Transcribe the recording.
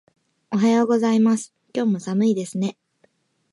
おはようございます。今日も寒いですね。